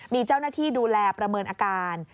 มีเจ้าหน้าที่ดูแลประเมินอาการ